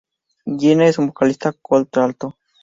Glynne es una vocalista contralto.